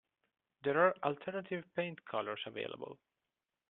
There are alternative paint colours available.